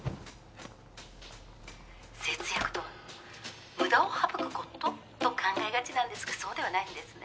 節約とは無駄を省くことと考えがちなんですがそうではないんですね。